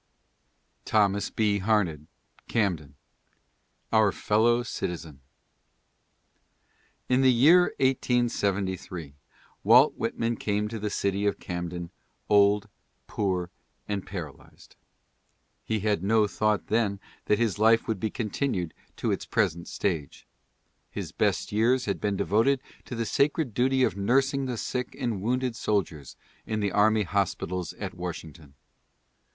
THOMAS B. HARNED: Camden. OUR FELLOW CITIZEN. In the year 1873 Walt Whitman came to the city of Camden "old, poor and paralyzed." He had no thought then that his life would be continued to its present stage. His best years had been devoted to the sacred duty of nursing the sick and wounded soldiers in the army hospitals at Washington.